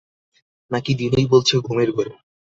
নাকি দিনুই বলছে ঘুমের ঘোরে?